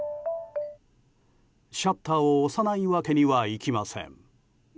シャッターを押さないわけにはいきません。